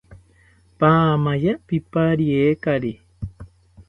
Paamaya pipariekari